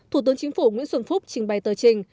thủ tướng chính phủ nguyễn xuân phúc trình bày tờ trình